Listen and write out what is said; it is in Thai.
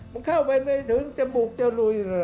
เข้าไปไม่ถึงจมูกจรุย